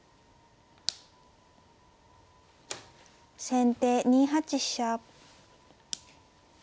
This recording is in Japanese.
先手２八飛車。